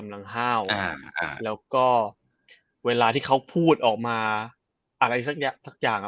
แล้วก็เวลาที่เขาพูดออกมาอะไรสักอย่าง